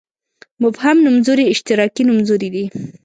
مبهم نومځري اشتراکي نومځري دي.